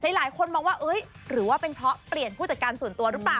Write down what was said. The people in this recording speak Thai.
หลายคนมองว่าหรือว่าเป็นเพราะเปลี่ยนผู้จัดการส่วนตัวหรือเปล่า